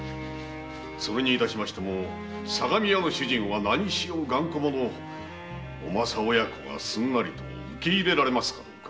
それにしましても相模屋の主人は名にしおう頑固者お政親子が受け入れられますかどうか。